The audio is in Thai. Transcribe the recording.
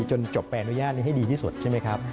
จนจบไปอนุญาตนี้ให้ดีที่สุดใช่ไหมครับ